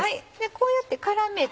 こうやって絡めて。